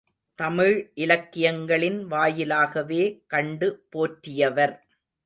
தமிழ் இலக்கியங்களின் வாயிலாகவே கண்டு போற்றியவர்.